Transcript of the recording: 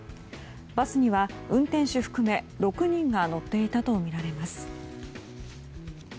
バスには運転手含め６人が乗っていたとみられます。